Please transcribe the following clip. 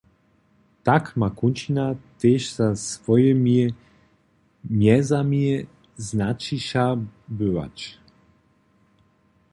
Tak ma kónčina tež za swojimi mjezami znaćiša bywać.